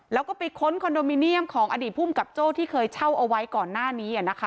แล้วก็ไปค้นคอนโดมิเนียมของอดีตภูมิกับโจ้ที่เคยเช่าเอาไว้ก่อนหน้านี้นะคะ